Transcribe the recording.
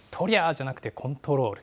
じゃなくてコントロール。